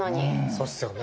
そうっすよね。